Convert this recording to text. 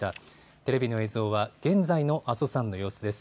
テレビの映像は現在の阿蘇山の様子です。